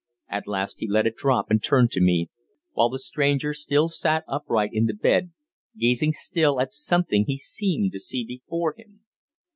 At last he let it drop and turned to me, while the stranger still sat upright in the bed, gazing still at something he seemed to see before him.